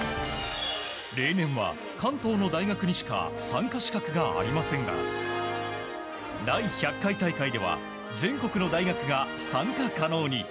例年は関東の大学にしか参加資格がありませんが第１００回大会では全国の大学が参加可能に。